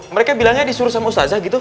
mereka bilangnya disuruh sama mustazah gitu